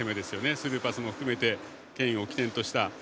スルーパスも含めてケインを起点とした。